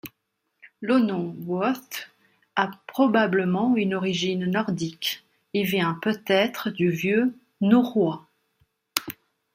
Le nom Howth a probablement une origine nordique, il vient peut-être du vieux norrois.